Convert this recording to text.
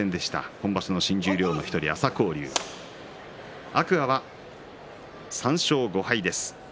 今場所の新十両の１人の朝紅龍天空海は３勝５敗です。